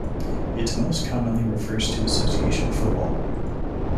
It most commonly refers to association football.